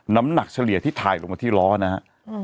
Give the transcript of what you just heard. น้ำหนักเฉลี่ยที่ถ่ายลงมาที่ล้อนะฮะ